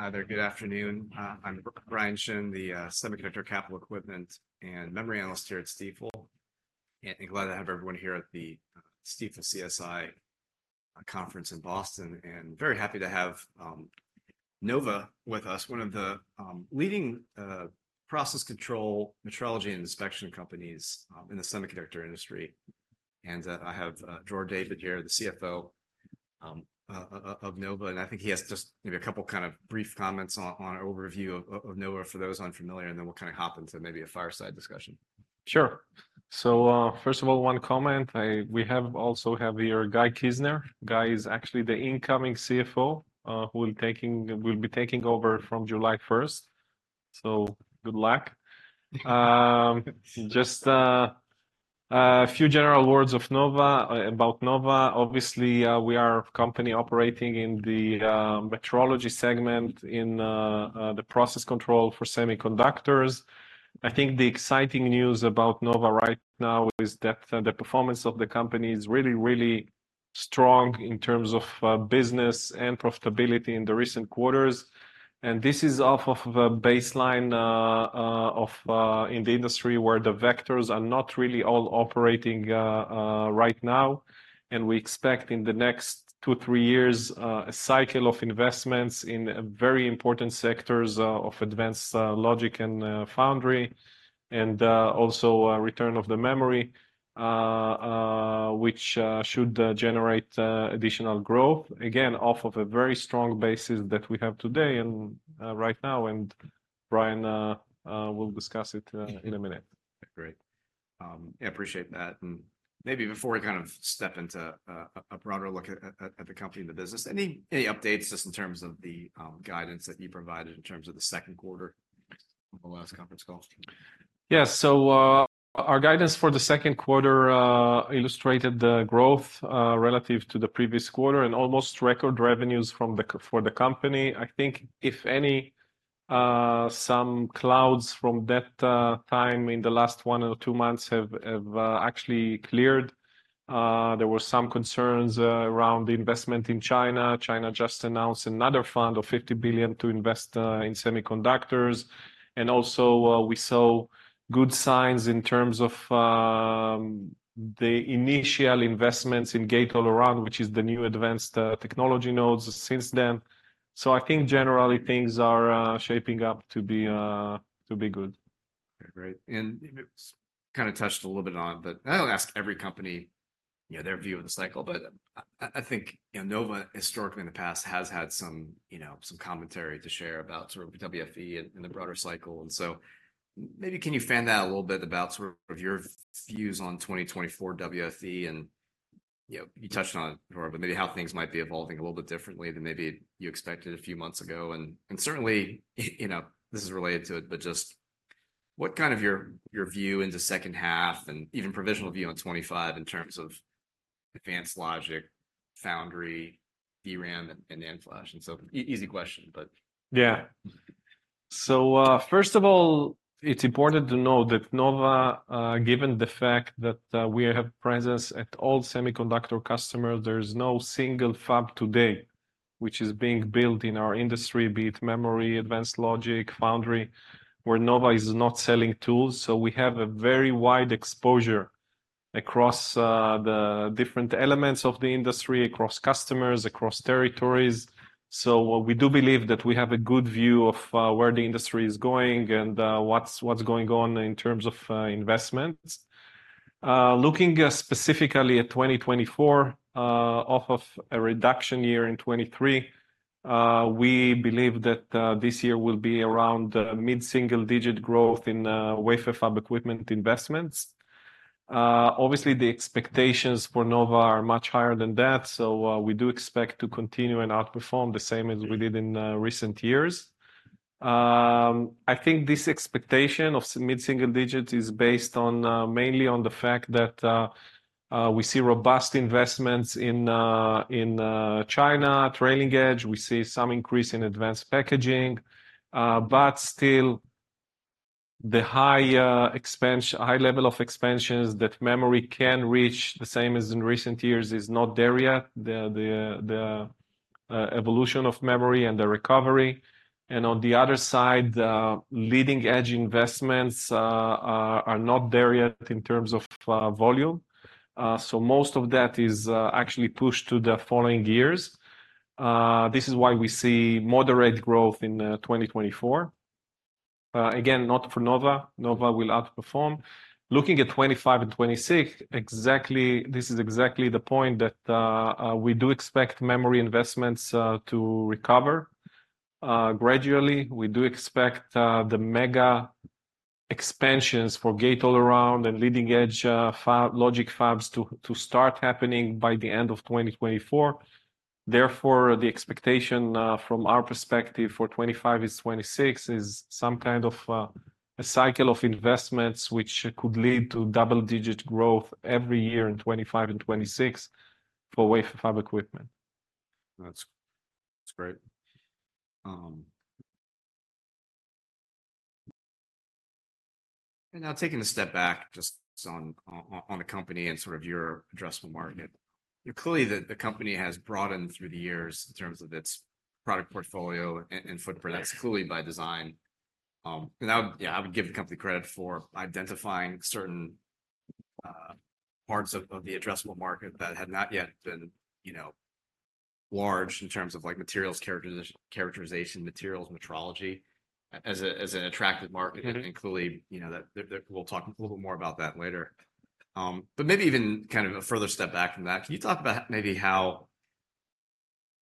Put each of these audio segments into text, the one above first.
Hi there. Good afternoon, I'm Brian Chin, the Semiconductor Capital Equipment and Memory Analyst here at Stifel. Glad to have everyone here at the Stifel CSI Conference in Boston, and very happy to have Nova with us, one of the leading process control metrology and inspection companies in the semiconductor industry. I have Dror David here, the CFO of Nova, and I think he has just maybe a couple kind of brief comments on an overview of Nova for those unfamiliar, and then we'll kind of hop into maybe a fireside discussion. Sure. So, first of all, one comment, we also have here Guy Kizner. Guy is actually the incoming CFO, who will be taking over from July 1st. So good luck. Just a few general words about Nova. Obviously, we are a company operating in the metrology segment, in the process control for semiconductors. I think the exciting news about Nova right now is that the performance of the company is really, really strong in terms of business and profitability in the recent quarters. And this is off of a baseline in the industry, where the vectors are not really all operating right now. We expect in the next two, three years a cycle of investments in a very important sectors of advanced logic and foundry, and also return of the memory which should generate additional growth, again, off of a very strong basis that we have today and right now. Brian will discuss it in a minute. Great. I appreciate that, and maybe before we kind of step into a broader look at the company and the business, any updates just in terms of the guidance that you provided in terms of the second quarter from the last conference call? Yeah. So, our guidance for the second quarter illustrated the growth relative to the previous quarter, and almost record revenues for the company. I think if any, some clouds from that time in the last one or two months have actually cleared. There were some concerns around the investment in China. China just announced another fund of $50 billion to invest in semiconductors. And also, we saw good signs in terms of the initial investments in Gate-All-Around, which is the new advanced technology nodes since then. So I think generally things are shaping up to be good. Great. And you kind of touched a little bit on it, but I'll ask every company, you know, their view of the cycle. But I think, you know, Nova, historically in the past, has had some, you know, some commentary to share about sort of WFE and the broader cycle. And so maybe can you fan out a little bit about sort of your views on 2024 WFE and, you know, you touched on it, but maybe how things might be evolving a little bit differently than maybe you expected a few months ago. And certainly, you know, this is related to it, but just what kind of your view into second half and even provisional view on 2025 in terms of advanced logic, foundry, DRAM, and NAND flash? And so easy question, but. Yeah. So, first of all, it's important to know that Nova, given the fact that, we have presence at all semiconductor customers, there's no single fab today which is being built in our industry, be it memory, advanced logic, foundry, where Nova is not selling tools. So we have a very wide exposure across, the different elements of the industry, across customers, across territories. So we do believe that we have a good view of, where the industry is going and, what's going on in terms of, investments. Looking, specifically at 2024, off of a reduction year in 2023, we believe that, this year will be around, mid-single-digit growth in, wafer fab equipment investments. Obviously, the expectations for Nova are much higher than that, so we do expect to continue and outperform the same as we did in recent years. I think this expectation of mid-single digits is based mainly on the fact that we see robust investments in China, trailing edge. We see some increase in advanced packaging, but still, the high expansion-high level of expansions that memory can reach, the same as in recent years, is not there yet, the evolution of memory and the recovery. And on the other side, the leading-edge investments are not there yet in terms of volume. So most of that is actually pushed to the following years. This is why we see moderate growth in 2024. Again, not for Nova. Nova will outperform. Looking at 2025 and 2026, exactly, this is exactly the point that we do expect memory investments to recover. Gradually, we do expect the mega expansions for Gate-All-Around and leading-edge fab logic fabs to start happening by the end of 2024. Therefore, the expectation from our perspective for 2025 and 2026 is some kind of a cycle of investments which could lead to double-digit growth every year in 2025 and 2026 for wafer fab equipment. That's, that's great. Now taking a step back, just on the company and sort of your addressable market. Clearly, the company has broadened through the years in terms of its product portfolio and footprint. That's clearly by design. And I would, yeah, I would give the company credit for identifying certain parts of the addressable market that had not yet been, you know, large in terms of like materials characterization, materials metrology, as an attractive market. Mm-hmm. Clearly, you know, that. We'll talk a little more about that later. Maybe even kind of a further step back from that, can you talk about maybe how,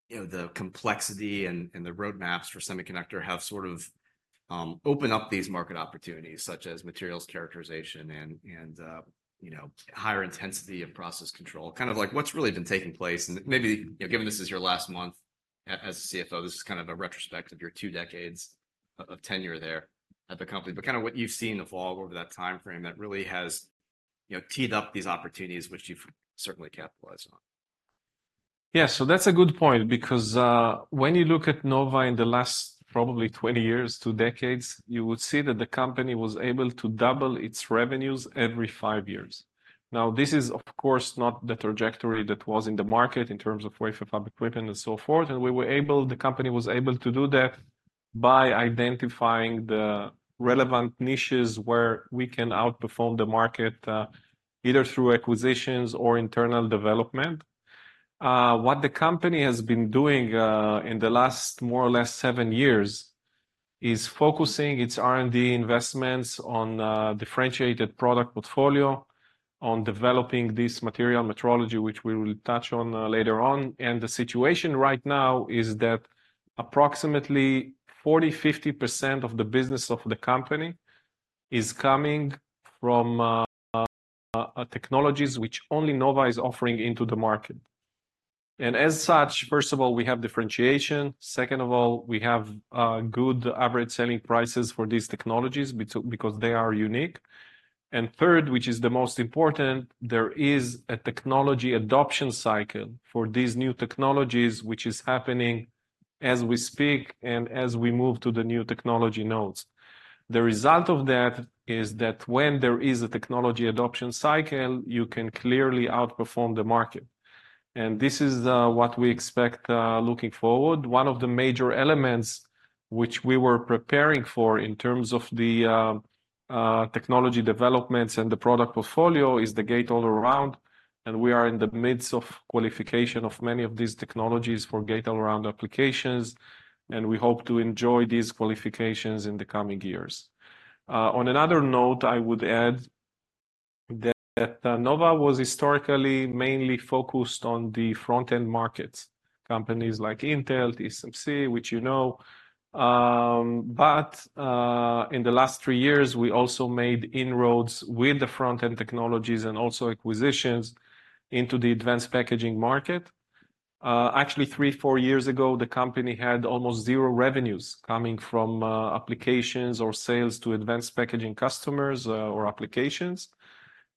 you know, the complexity and the roadmaps for semiconductor have sort of opened up these market opportunities, such as materials characterization and you know, higher intensity and process control? Kind of like what's really been taking place and maybe, you know, given this is your last month as a CFO, this is kind of a retrospect of your two decades of tenure there at the company, but kind of what you've seen evolve over that timeframe that really has, you know, teed up these opportunities, which you've certainly capitalized on. Yeah, so that's a good point because, when you look at Nova in the last probably 20 years, two decades, you would see that the company was able to double its revenues every five years. Now, this is, of course, not the trajectory that was in the market in terms of wafer fab equipment and so forth, and we were able, the company was able to do that by identifying the relevant niches where we can outperform the market, either through acquisitions or internal development. What the company has been doing, in the last, more or less seven years, is focusing its R&D investments on a differentiated product portfolio, on developing this material metrology, which we will touch on, later on. The situation right now is that approximately 40%-50% of the business of the company is coming from technologies which only Nova is offering into the market. And as such, first of all, we have differentiation. Second of all, we have good average selling prices for these technologies because they are unique. And third, which is the most important, there is a technology adoption cycle for these new technologies, which is happening as we speak and as we move to the new technology nodes. The result of that is that when there is a technology adoption cycle, you can clearly outperform the market, and this is what we expect looking forward. One of the major elements which we were preparing for in terms of the technology developments and the product portfolio is the Gate-All-Around, and we are in the midst of qualification of many of these technologies for Gate-All-Around applications, and we hope to enjoy these qualifications in the coming years. On another note, I would add that Nova was historically mainly focused on the front-end markets, companies like Intel, TSMC, which you know. But in the last three years, we also made inroads with the front-end technologies and also acquisitions into the advanced packaging market. Actually, three, four years ago, the company had almost zero revenues coming from applications or sales to advanced packaging customers, or applications.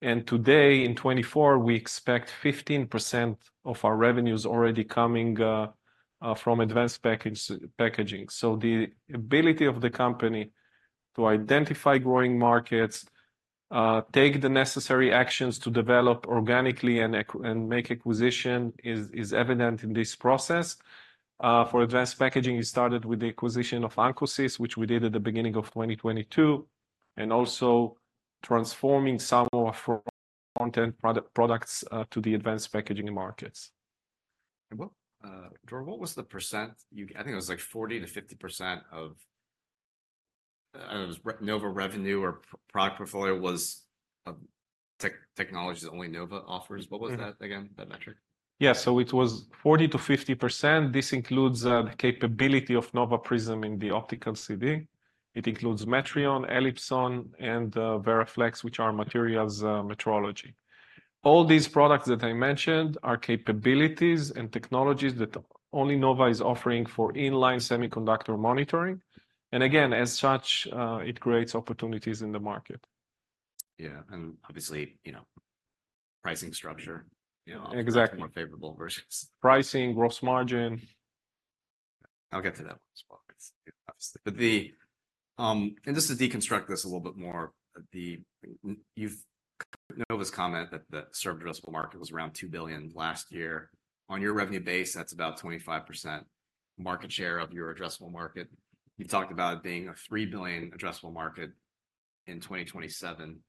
And today, in 2024, we expect 15% of our revenues already coming from advanced packaging. The ability of the company to identify growing markets, take the necessary actions to develop organically and make acquisition is evident in this process. For advanced packaging, we started with the acquisition of ancosys, which we did at the beginning of 2022, and also transforming some of our front-end products to the advanced packaging markets. What, Dror, what was the percent? I think it was like 40%-50% of Nova revenue or product portfolio was technologies that only Nova offers. Mm-hmm. What was that again, that metric? Yeah. So it was 40%-50%. This includes the capability of Nova Prism in the optical CD. It includes Metrion, Elipson, and VeraFlex, which are materials metrology. All these products that I mentioned are capabilities and technologies that only Nova is offering for in-line semiconductor monitoring, and again, as such, it creates opportunities in the market. Yeah, and obviously, you know, pricing structure, you know. Exactly. More favorable versus. Pricing, gross margin. I'll get to that as well, obviously. But the, And just to deconstruct this a little bit more, Nova's comment that the served addressable market was around $2 billion last year. On your revenue base, that's about 25% market share of your addressable market. You've talked about it being a $3 billion addressable market in 2027.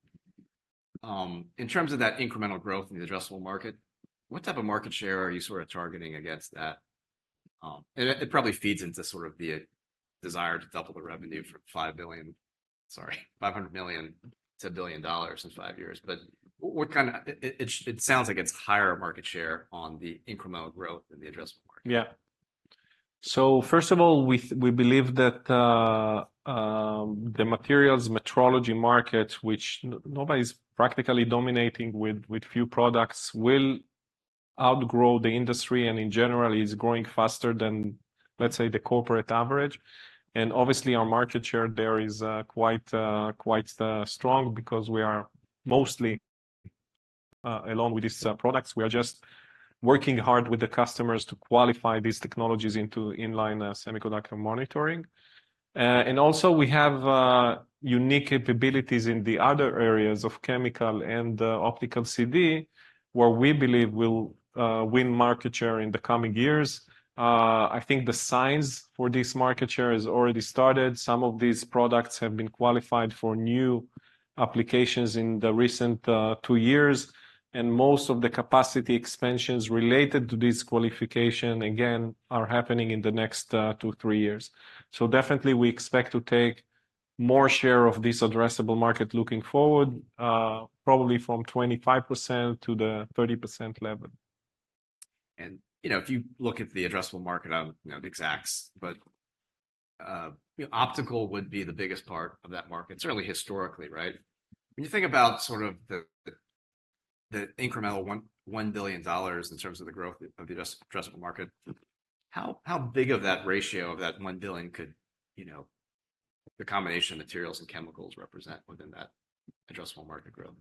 In terms of that incremental growth in the addressable market, what type of market share are you sort of targeting against that? And it probably feeds into sort of the desire to double the revenue from $5 billion, sorry, $500 million to $1 billion in five years. But what, what kind of, it sounds like it's higher market share on the incremental growth in the addressable market. Yeah. So first of all, we believe that the materials metrology market, which Nova is practically dominating with few products, will outgrow the industry, and in general, is growing faster than, let's say, the corporate average. And obviously, our market share there is quite strong because along with these products, we are just working hard with the customers to qualify these technologies into in-line semiconductor monitoring. And also, we have unique capabilities in the other areas of chemical and optical CD, where we believe we'll win market share in the coming years. I think the signs for this market share has already started. Some of these products have been qualified for new applications in the recent two years, and most of the capacity expansions related to this qualification, again, are happening in the next two to three years. So definitely we expect to take more share of this addressable market looking forward, probably from 25% to the 30% level. You know, if you look at the addressable market, I don't know the exacts, but optical would be the biggest part of that market. Certainly historically, right? When you think about sort of the incremental $1 billion in terms of the growth of the addressable market, how big of that ratio of that $1 billion could, you know, the combination of materials and chemicals represent within that addressable market growth?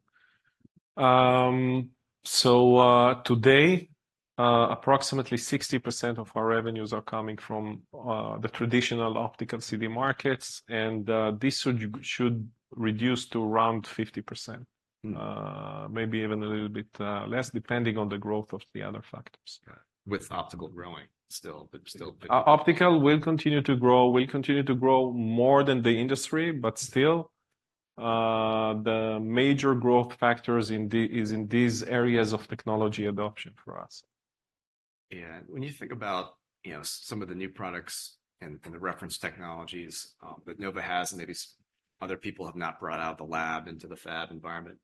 So, today, approximately 60% of our revenues are coming from the traditional optical CD markets, and this should reduce to around 50%. Mm. Maybe even a little bit less, depending on the growth of the other factors. With optical growing still, but still. Optical will continue to grow, will continue to grow more than the industry, but still, the major growth factors in the is in these areas of technology adoption for us. And when you think about, you know, some of the new products and the reference technologies that Nova has, and maybe other people have not brought out of the lab into the fab environment,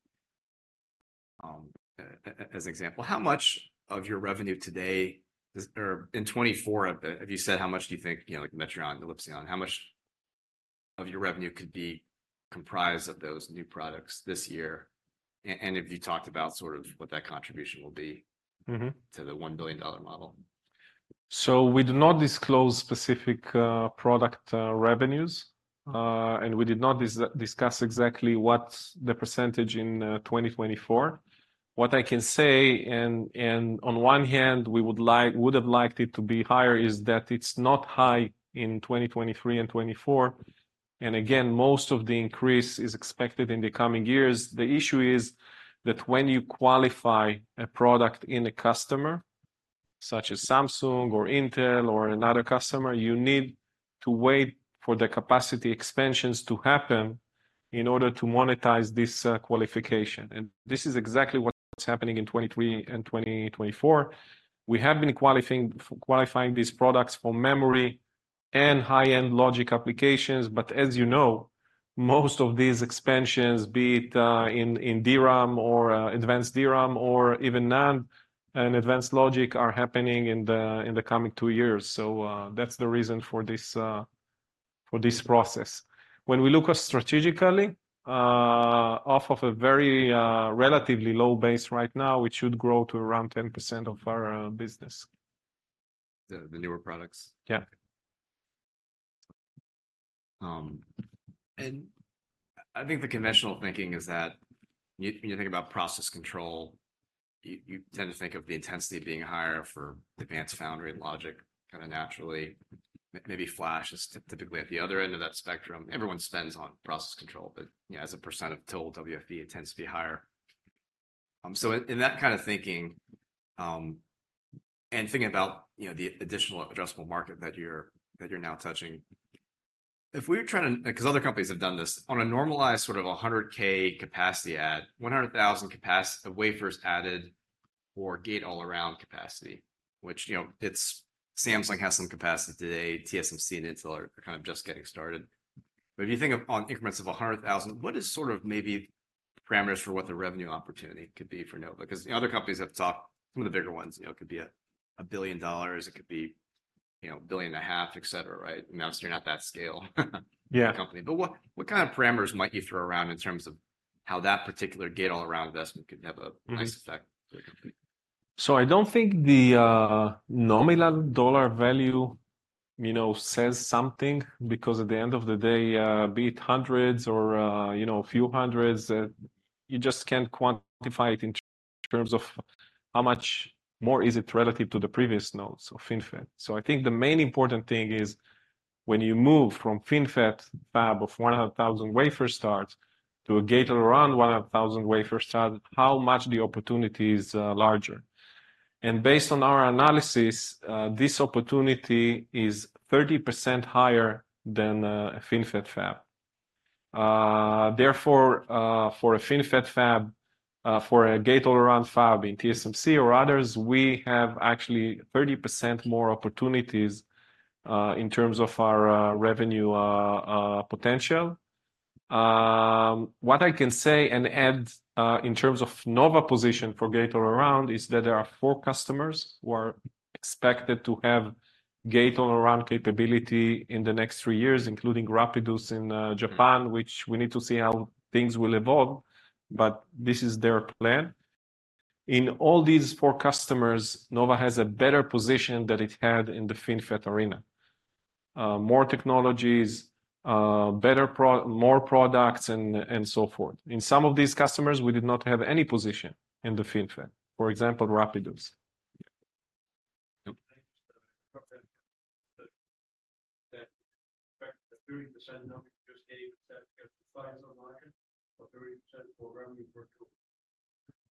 as an example, how much of your revenue today is, or in 2024, have you said how much do you think, you know, like Metrion and Elipson, how much of your revenue could be comprised of those new products this year? And have you talked about sort of what that contribution will be? Mm-hmm. To the $1 billion-dollar model? So we do not disclose specific product revenues. And we did not discuss exactly what the percentage in 2024. What I can say, and on one hand, we would have liked it to be higher, is that it's not high in 2023 and 2024. And again, most of the increase is expected in the coming years. The issue is that when you qualify a product in a customer, such as Samsung or Intel or another customer, you need to wait for the capacity expansions to happen in order to monetize this qualification, and this is exactly what's happening in 2023 and 2024. We have been qualifying, qualifying these products for memory and high-end logic applications, but as you know, most of these expansions, be it, in, in DRAM or, advanced DRAM or even NAND and advanced logic, are happening in the, in the coming two years. So, that's the reason for this, for this process. When we look strategically, off of a very, relatively low base right now, it should grow to around 10% of our, business. The newer products? Yeah. I think the conventional thinking is that when you think about process control, you tend to think of the intensity being higher for advanced foundry and logic kind of naturally. Maybe flash is typically at the other end of that spectrum. Everyone spends on process control, but, you know, as a percent of total WFE, it tends to be higher. So in that kind of thinking, and thinking about, you know, the additional addressable market that you're now touching, if we were trying to, 'cause other companies have done this, on a normalized, sort of a 100,000 capacity add, 100,000 capacity wafers added or Gate-All-Around capacity, which, you know, it's Samsung has some capacity today. TSMC and Intel are kind of just getting started. But if you think of increments of 100,000, what is sort of maybe the parameters for what the revenue opportunity could be for Nova? Because other companies have talked, some of the bigger ones, you know, it could be $1 billion, it could be, you know, $1.5 billion, et cetera, right? Obviously, you're not that scale. Yeah. Company. But what, what kind of parameters might you throw around in terms of how that particular Gate-All-Around investment could have a nice effect on the company? So I don't think the nominal dollar value, you know, says something, because at the end of the day, be it hundreds or, you know, a few hundreds, you just can't quantify it in terms of how much more is it relative to the previous nodes or FinFET. So I think the main important thing is, when you move from FinFET fab of 100,000 wafer starts to a Gate-All-Around 100,000 wafer start, how much the opportunity is, larger. And based on our analysis, this opportunity is 30% higher than a FinFET fab. Therefore, for a FinFET fab, for a Gate-All-Around fab in TSMC or others, we have actually 30% more opportunities, in terms of our revenue potential. What I can say and add, in terms of Nova's position for Gate-All-Around, is that there are four customers who are expected to have Gate-All-Around capability in the next three years, including Rapidus in Japan, which we need to see how things will evolve, but this is their plan. In all these four customers, Nova has a better position than it had in the FinFET arena, more technologies, better, more products, and so forth. In some of these customers, we did not have any position in the FinFET. For example, Rapidus. Yeah.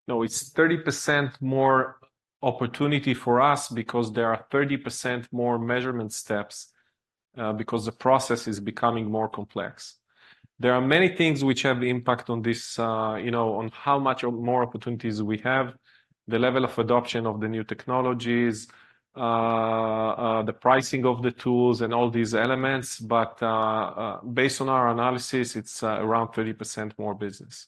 No, it's 30% more opportunity for us because there are 30% more measurement steps because the process is becoming more complex. There are many things which have impact on this, you know, on how much of more opportunities we have, the level of adoption of the new technologies, the pricing of the tools, and all these elements, but based on our analysis, it's around 30% more business.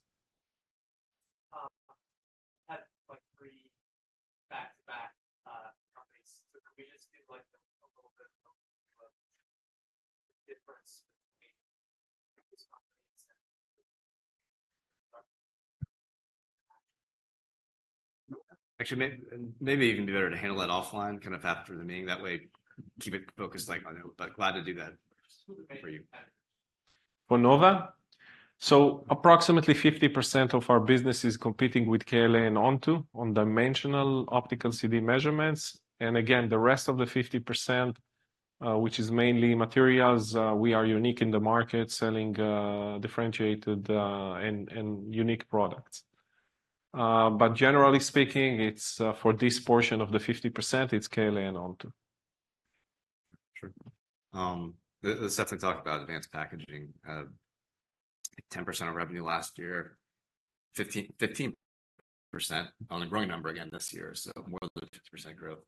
Like three back-to-back companies. So can we just give like a little bit of difference between these companies? Actually, maybe it even be better to handle that offline, kind of after the meeting. That way, keep it focused, like, on it, but glad to do that for you. For Nova? So approximately 50% of our business is competing with KLA and Onto on dimensional optical CD measurements. And again, the rest of the 50%, which is mainly materials, we are unique in the market, selling, differentiated, and, and unique products. But generally speaking, it's, for this portion of the 50%, it's KLA and Onto. Sure. The stuff to talk about, advanced packaging, 10% of revenue last year, 15%, 15% on a growing number again this year, so more than 50% growth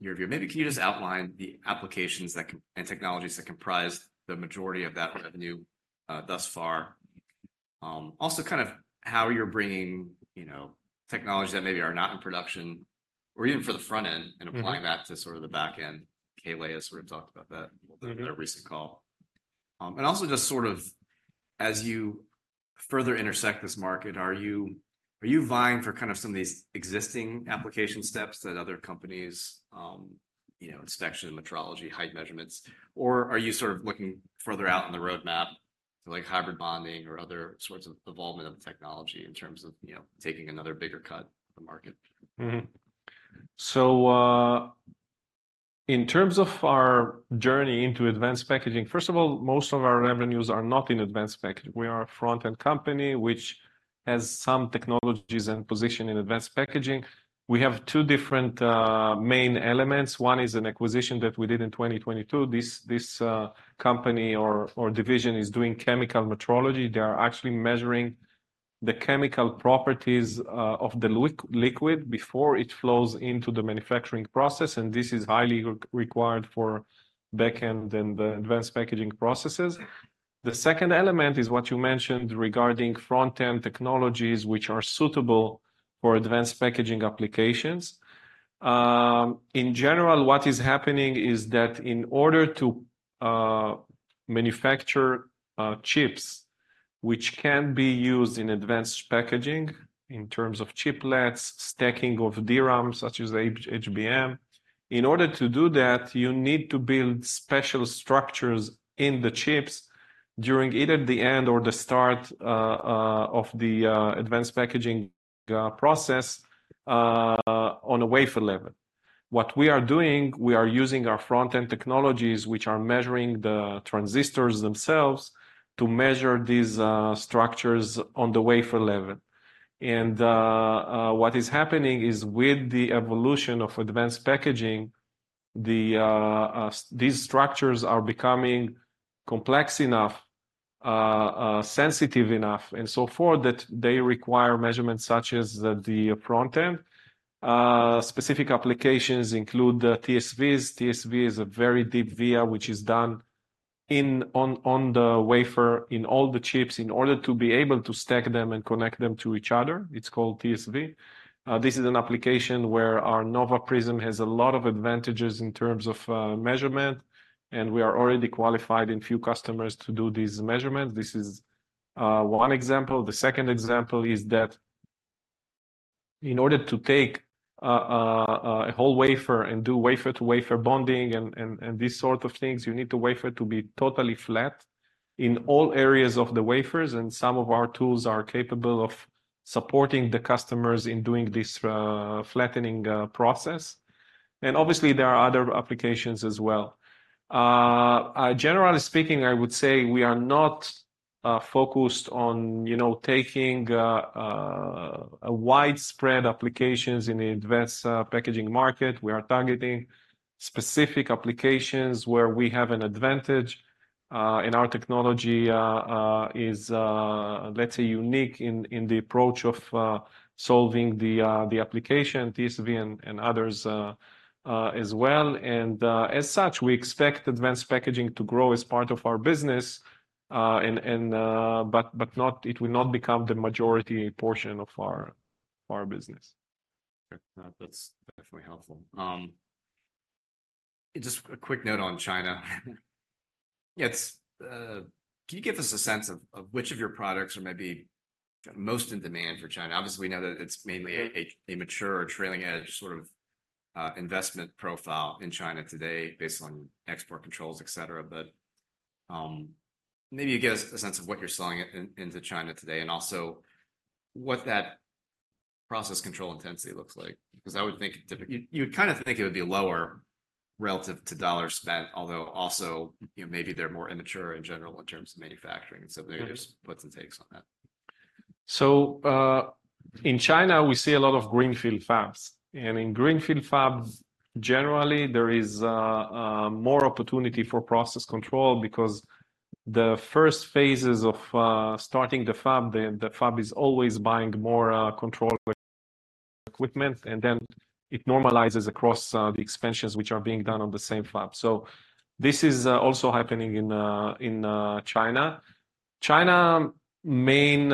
year-over-year. Maybe can you just outline the applications that and technologies that comprise the majority of that revenue thus far? Also kind of how you're bringing, you know, technologies that maybe are not in production, or even for the front end. Mm-hmm. And applying that to sort of the back end. KLA has sort of talked about that. Mm-hmm. In a recent call. And also just sort of as you further intersect this market, are you, are you vying for kind of some of these existing application steps that other companies, you know, inspection, metrology, height measurements, or are you sort of looking further out on the roadmap, to like hybrid bonding or other sorts of evolvement of the technology in terms of, you know, taking another bigger cut of the market? Mm-hmm. So, in terms of our journey into advanced packaging, first of all, most of our revenues are not in advanced packaging. We are a front-end company which has some technologies and position in advanced packaging. We have two different main elements. One is an acquisition that we did in 2022. This company or division is doing chemical metrology. They are actually measuring the chemical properties of the liquid before it flows into the manufacturing process, and this is highly required for back end and the advanced packaging processes. The second element is what you mentioned regarding front-end technologies, which are suitable for advanced packaging applications. In general, what is happening is that in order to manufacture chips, which can be used in advanced packaging in terms of chiplets, stacking of DRAM, such as HBM, in order to do that, you need to build special structures in the chips during either the end or the start of the advanced packaging process on a wafer level. What we are doing, we are using our front-end technologies, which are measuring the transistors themselves, to measure these structures on the wafer level. What is happening is with the evolution of advanced packaging, these structures are becoming complex enough, sensitive enough and so forth, that they require measurements such as the front end. Specific applications include the TSVs. TSV is a very deep via, which is done in on the wafer, in all the chips, in order to be able to stack them and connect them to each other. It's called TSV. This is an application where our Nova Prism has a lot of advantages in terms of measurement, and we are already qualified in few customers to do these measurements. This is one example. The second example is that in order to take a whole wafer and do wafer-to-wafer bonding and these sort of things, you need the wafer to be totally flat in all areas of the wafers, and some of our tools are capable of supporting the customers in doing this flattening process. And obviously, there are other applications as well. Generally speaking, I would say we are not focused on, you know, taking a widespread applications in the advanced packaging market. We are targeting specific applications where we have an advantage, and our technology is, let's say, unique in the approach of solving the application, TSV and others, as well. And, as such, we expect advanced packaging to grow as part of our business, and, but, but not, it will not become the majority portion of our business. That's definitely helpful. Just a quick note on China. Yes, can you give us a sense of which of your products are maybe most in demand for China? Obviously, we know that it's mainly a mature or trailing edge sort of investment profile in China today based on export controls, et cetera. But maybe you give us a sense of what you're selling into China today, and also what that process control intensity looks like, because I would think typically you would kind of think it would be lower relative to dollars spent, although also, you know, maybe they're more immature in general in terms of manufacturing. So maybe there's puts and takes on that. So, in China, we see a lot of greenfield fabs, and in greenfield fabs, generally, there is more opportunity for process control because the first phases of starting the fab, the fab is always buying more control equipment, and then it normalizes across the expansions which are being done on the same fab. So this is also happening in China. China main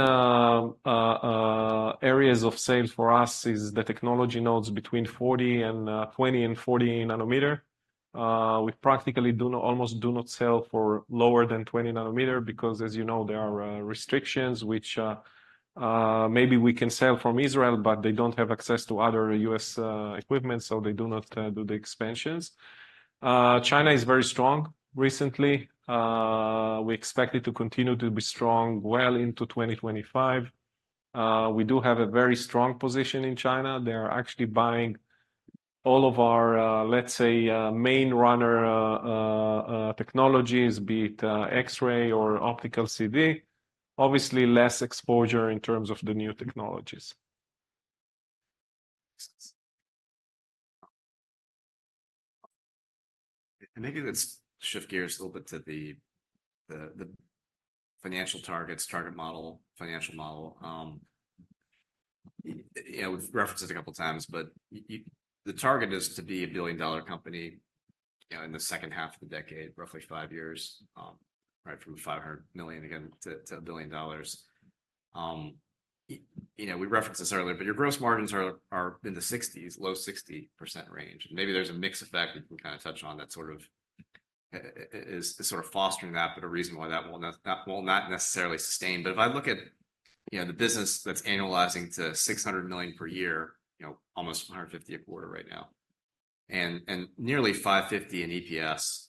areas of sales for us is the technology nodes between 40 and 20 and 40 nm. We practically almost do not sell for lower than 20 nm because, as you know, there are restrictions which maybe we can sell from Israel, but they don't have access to other U.S. equipment, so they do not do the expansions. China is very strong recently. We expect it to continue to be strong well into 2025. We do have a very strong position in China. They are actually buying all of our, let's say, technologies, be it X-ray or optical CD. Obviously, less exposure in terms of the new technologies. Maybe let's shift gears a little bit to the financial targets, target model, financial model. You know, we've referenced this a couple of times, but the target is to be a billion-dollar company, you know, in the second half of the decade, roughly five years, right, from $500 million again to $1 billion. You know, we referenced this earlier, but your gross margins are in the low 60% range. Maybe there's a mix effect we can kind of touch on that sort of is fostering that, but a reason why that will not necessarily sustain. But if I look at, you know, the business that's annualizing to $600 million per year, you know, almost $150 a quarter right now, and nearly $5.50 in EPS,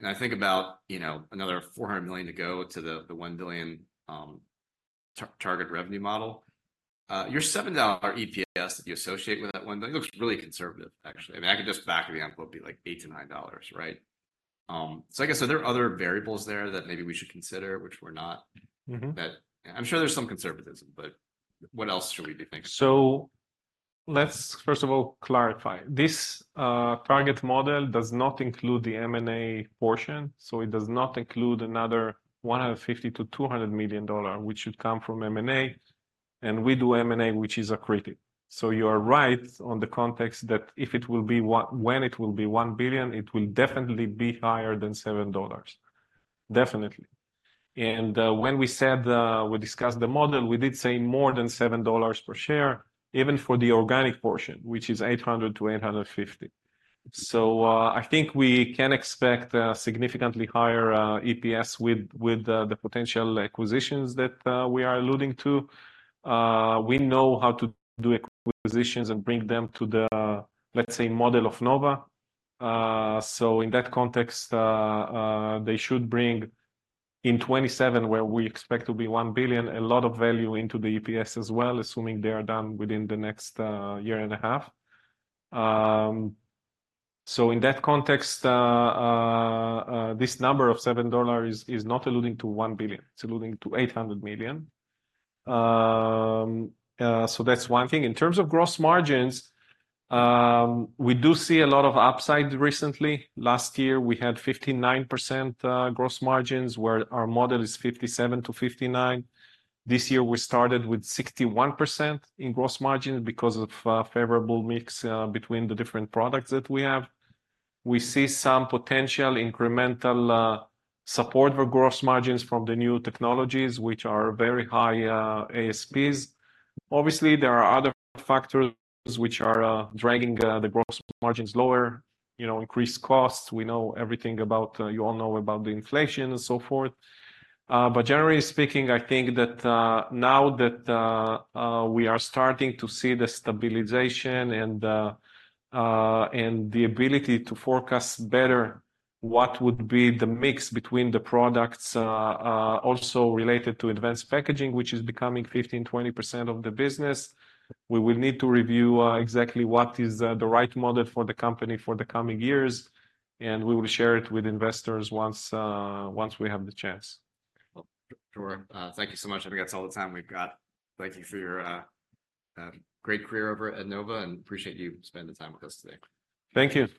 and I think about, you know, another $400 million to go to the $1 billion target revenue model, your $7 EPS that you associate with that one, that looks really conservative, actually. I mean, I could just back of the envelope be like $8-$9, right? So I guess, are there other variables there that maybe we should consider, which we're not. Mm-hmm. That, I'm sure there's some conservatism, but what else should we be thinking? So let's first of all clarify. This, target model does not include the M&A portion, so it does not include another $150 million-$200 million, which should come from M&A, and we do M&A, which is accretive. So you are right on the context that if it will be, when it will be $1 billion, it will definitely be higher than $7. Definitely. And, when we said, we discussed the model, we did say more than $7 per share, even for the organic portion, which is 800-850. So, I think we can expect a significantly higher, EPS with, with, the potential acquisitions that, we are alluding to. We know how to do acquisitions and bring them to the, let's say, model of Nova. So in that context, they should bring in 27, where we expect to be $1 billion, a lot of value into the EPS as well, assuming they are done within the next year and a half. So in that context, this number of $7 is not alluding to $1 billion, it's alluding to $800 million. So that's one thing. In terms of gross margins, we do see a lot of upside recently. Last year, we had 59% gross margins, where our model is 57%-59%. This year, we started with 61% in gross margins because of favorable mix between the different products that we have. We see some potential incremental support for gross margins from the new technologies, which are very high ASPs. Obviously, there are other factors which are dragging the gross margins lower, you know, increased costs. You all know about the inflation and so forth. But generally speaking, I think that now that we are starting to see the stabilization and the ability to forecast better what would be the mix between the products, also related to advanced packaging, which is becoming 15%-20% of the business. We will need to review exactly what is the right model for the company for the coming years, and we will share it with investors once we have the chance. Well, sure. Thank you so much. I think that's all the time we've got. Thank you for your great career over at Nova, and appreciate you spending time with us today. Thank you.